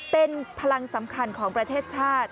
เป็นพลังสำคัญของประเทศชาติ